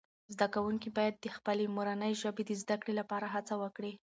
زده کوونکي باید د خپلې مورنۍ ژبې د زده کړې لپاره هڅه وکړي.